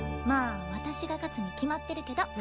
まあ私が勝つに決まってるけど。